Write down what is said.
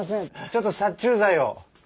ちょっと殺虫剤を。